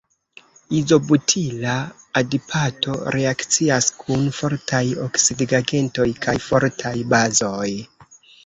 Izobutila adipato reakcias kun fortaj oksidigagentoj kaj fortaj bazoj.